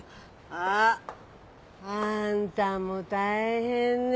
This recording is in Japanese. あんたも大変ね。